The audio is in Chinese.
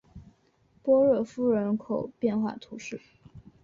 波热夫人口变化图示